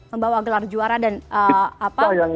membawa gelar juara dan apa